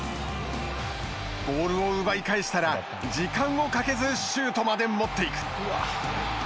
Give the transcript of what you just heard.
ボールを奪い返したら時間をかけずシュートまで持っていく。